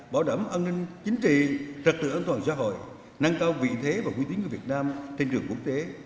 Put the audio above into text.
bảo đảm an ninh chính trị trật tự an toàn xã hội nâng cao vị thế và quy tín của việt nam trên trường quốc tế